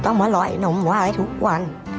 ต้องมาร้อยนมไวทุกวัน